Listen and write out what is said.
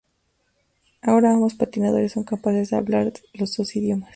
Ahora ambos patinadores son capaces de hablar los dos idiomas.